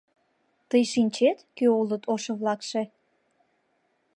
Тый шинчет, кӧ улыт ошо-влакше?